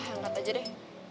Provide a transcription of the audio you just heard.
angkat aja deh